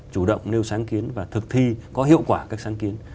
chủ động nêu sáng kiến và thực thi có hiệu quả các sáng kiến